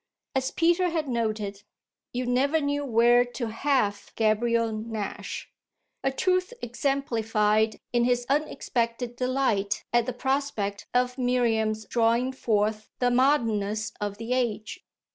As Peter had noted, you never knew where to "have" Gabriel Nash; a truth exemplified in his unexpected delight at the prospect of Miriam's drawing forth the modernness of the age.